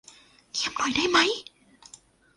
เงียบหน่อยได้มั้ย